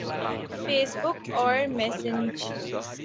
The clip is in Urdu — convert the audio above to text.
فیس بک اور میسنج